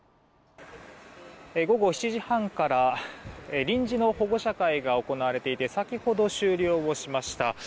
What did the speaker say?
午後７時半から臨時の保護者会が行われていて先ほど終了をしました。